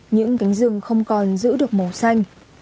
những cánh rừng không còn giữ được màu xanh